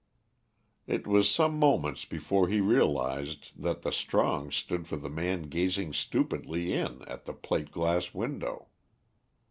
It was some moments before he realised that the Strong stood for the man gazing stupidly in at the plate glass window.